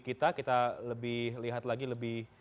kita kita lebih lihat lagi lebih